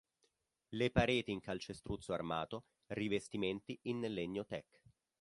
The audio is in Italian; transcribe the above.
Le pareti in calcestruzzo armato, rivestimenti in legno Teak.